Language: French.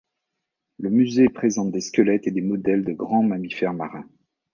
Le musée présente des squelettes et des modèles de grands mammifères marins.